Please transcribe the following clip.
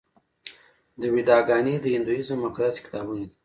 ویداګانې د هندویزم مقدس کتابونه دي.